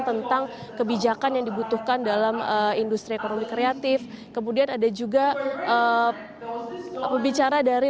tentang kebijakan yang dibutuhkan dalam industri ekonomi kreatif kemudian ada juga pembicara dari